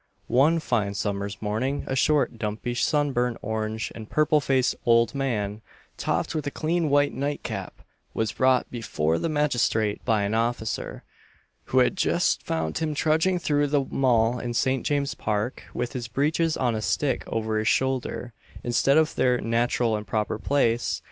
One fine summer's morning, a short, dumpy, sunburnt, orange and purple faced old man topped with a clean white night cap, was brought before the magistrate by an officer, who had just found him trudging through the Mall in St. James's Park, with his breeches on a stick over his shoulder, instead of in their natural and proper place.